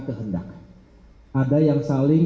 kehendak ada yang saling